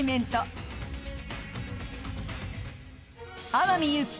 ［天海祐希